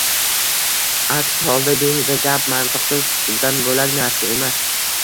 Aks holda behuda gap, mantiqsiz sukutdan bo‘lak narsa emas.